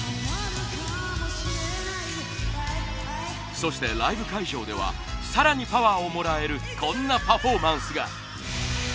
そしてライブ会場ではさらにパワーをもらえるこんなパフォーマンスが。